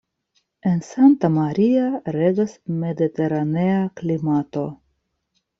En Santa Maria regas mediteranea klimato.